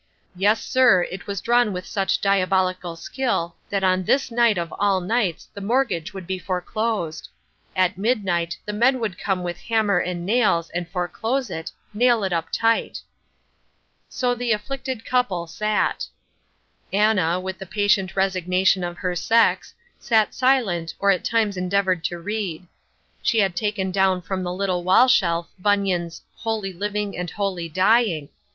Yes, sir, it was drawn with such diabolical skill that on this night of all nights the mortgage would be foreclosed. At midnight the men would come with hammer and nails and foreclose it, nail it up tight. So the afflicted couple sat. Anna, with the patient resignation of her sex, sat silent or at times endeavoured to read. She had taken down from the little wall shelf Bunyan's Holy Living and Holy Dying.